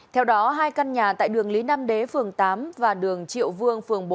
theo đó hai căn nhà tại đường lý nam đế phường tám và đường triệu vương phường bốn